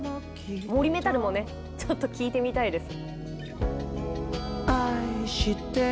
森メタルもねちょっと聴いてみたいです。